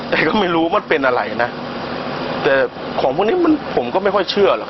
แต่ก็ไม่รู้มันเป็นอะไรนะแต่ของพวกนี้มันผมก็ไม่ค่อยเชื่อหรอก